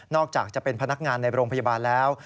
อกจากจะเป็นพนักงานในโรงพยาบาลแล้ว